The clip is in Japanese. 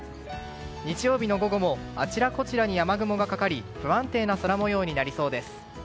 日曜日の午後もあちらこちらに雨雲がかかり不安定な空模様になりそうです。